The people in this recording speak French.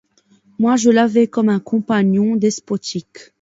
Moi, je l’avais comme un compagnon despotique.